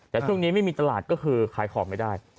แต่ช่วงนี้ไม่มีตลาดก็คือขายของไม่ได้